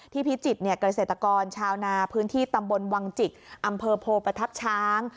พิจิตรเกษตรกรชาวนาพื้นที่ตำบลวังจิกอำเภอโพประทับช้าง